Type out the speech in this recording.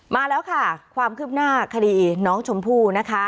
มาแล้วค่ะความคืบหน้าคดีน้องชมพู่นะคะ